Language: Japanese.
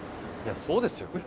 そうですよ。